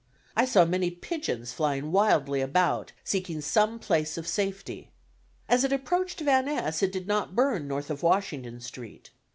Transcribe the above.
I saw many pigeons flying wildly about, seeking some place of safety. As it approached Van Ness it did not burn north of Washington Street.